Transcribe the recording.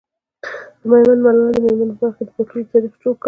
د ميوند ملالي د مېرمنو په برخه کي د باتورئ تاريخ جوړ کړ .